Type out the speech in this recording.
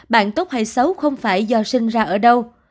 bạn tốt hay xấu không phải do sinh ra ở đâu